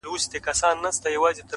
د ځناورو په خوني ځنگل کي’